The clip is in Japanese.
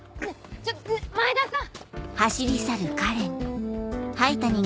ちょっと前田さん！